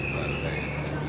bagaimana yang terjadi